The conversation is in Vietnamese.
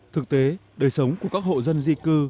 thực tế đời sống của các hộ dân di cư